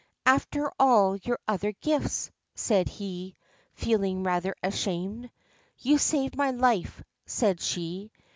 ' After all your other gifts ?' said he, feeling rather ashamed. ' You saved my life,' said she.